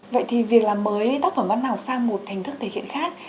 vậy thì việc làm mới tác phẩm văn học sang một hình thức thể hiện khác